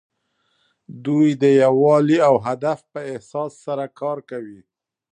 دوی د یووالي او هدف په احساس سره کار کوي.